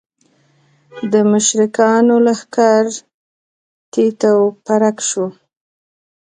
د مشرکانو لښکر تیت و پرک شو.